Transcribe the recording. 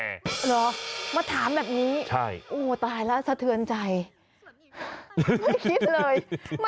หรอมาถามแบบนี้โอ้ตายแล้วสะเทือนใจใช่